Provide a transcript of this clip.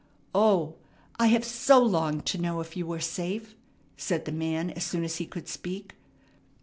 "O, I have so longed to know if you were safe!" said the man as soon as he could speak.